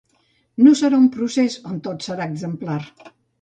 No serà un procés on tot serà exemplar.